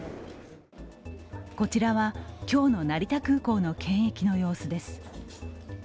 こちらは今日の成田空港の検疫の様子です。